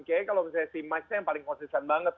kayaknya kalau misalnya si mike nya yang paling konsisten banget